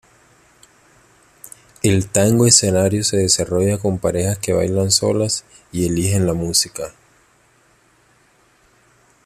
El tango escenario se desarrolla con parejas que bailan solas y eligen la música.